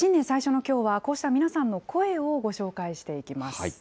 最初のきょうは、こうした皆さんの声をご紹介していきます。